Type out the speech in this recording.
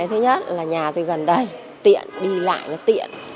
thứ nhất là nhà thì gần đây tiện đi lại nó tiện